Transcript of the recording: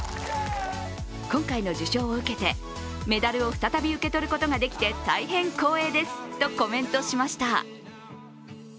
今回の受賞を受けて、メダルを再び受け取ることができて大変光栄ですとコメントしました。